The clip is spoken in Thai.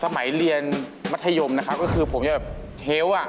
สมัยเรียนมัธยมก็คือผมเหี้ยว